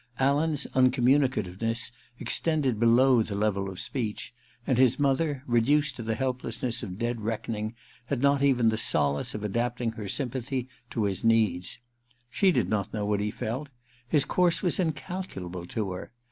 Alan's uncommunicativeness extended below the level of speech, and his mother, reduced to the helplessness of dead reckoning, 300 THE QUICKSAND in had not even the solace of adapting her sympathy to his needs. She did not know what he felt : his course was incalculable to her.